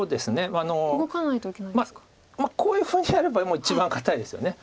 まあこういうふうにやればもう一番堅いですよね。